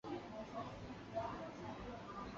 短萼紫锤草为桔梗科铜锤玉带属下的一个种。